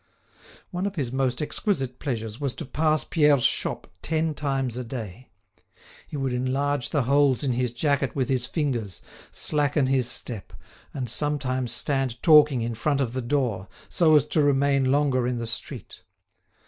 One of his most exquisite pleasures was to pass Pierre's shop ten times a day. He would enlarge the holes in his jacket with his fingers, slacken his step, and sometimes stand talking in front of the door, so as to remain longer in the street.